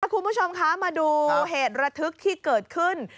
คุณผู้ชมคะมาดูเหตุระทึกที่เกิดขึ้น